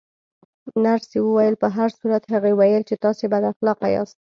نرسې وویل: په هر صورت، هغې ویل چې تاسې بد اخلاقه یاست.